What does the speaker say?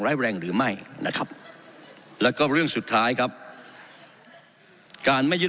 แรงหรือไม่นะครับแล้วก็เรื่องสุดท้ายครับการไม่ยึด